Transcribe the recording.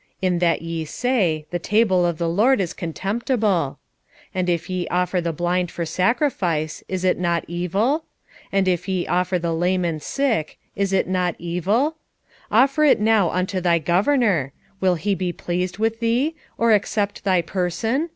In that ye say, The table of the LORD is contemptible. 1:8 And if ye offer the blind for sacrifice, is it not evil? and if ye offer the lame and sick, is it not evil? offer it now unto thy governor; will he be pleased with thee, or accept thy person?